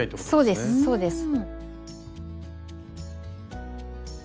そうですそうです。